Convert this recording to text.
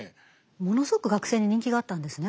ものすごく学生に人気があったんですね